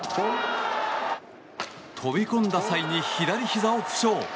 飛び込んだ際に左ひざを負傷。